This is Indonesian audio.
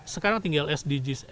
sekarang tinggal sdgs